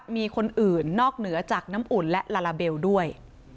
มีคนอื่นนอกเหนือจากน้ำอุ่นและลาลาเบลด้วย